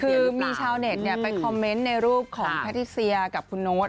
คือมีชาวเน็ตไปคอมเมนต์ในรูปของแพทิเซียกับคุณโน๊ต